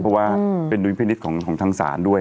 เพราะว่าเป็นดุลพินิษฐ์ของทางศาลด้วย